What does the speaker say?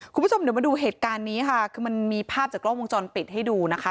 คุณผู้ชมเดี๋ยวมาดูเหตุการณ์นี้ค่ะคือมันมีภาพจากกล้องวงจรปิดให้ดูนะคะ